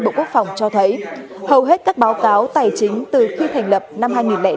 bộ quốc phòng cho thấy hầu hết các báo cáo tài chính từ khi thành lập năm hai nghìn ba